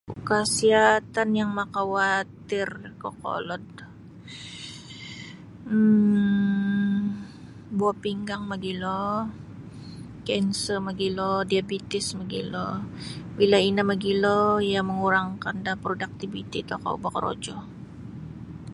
Kesiatan yang makawatir kokolod um buah pinggang magilo kanser magilo diabetis magilo bila ino magilo iyo mangurangkan da produktiviti tokou bakorojo.